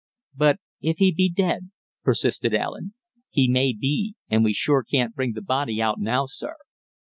"But if he be dead?" persisted Allen. "He may be, and we sure can't bring th' body out now, sir."